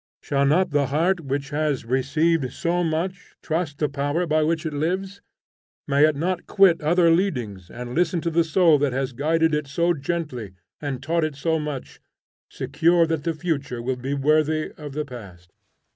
Shall not the heart which has received so much, trust the Power by which it lives? May it not quit other leadings, and listen to the Soul that has guided it so gently and taught it so much, secure that the future will be worthy of the past?